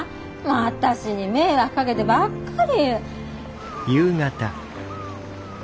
私に迷惑かけてばっかり。